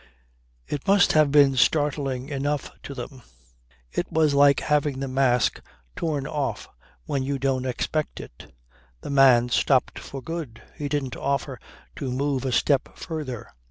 It must have been startling enough to them. It was like having the mask torn off when you don't expect it. The man stopped for good; he didn't offer to move a step further.